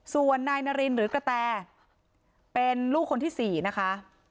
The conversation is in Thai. ส่วนนายนารินหรือกระแตเป็นลูกคนที่๔นะคะ